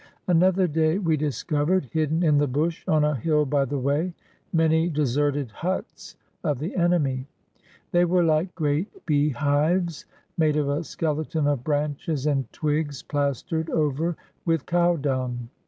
Another day we discovered, hidden in the bush, on a hill by the way, many deserted huts of the enemy. They were like great beehives made of a skeleton of branches and twigs plastered over with cow dung.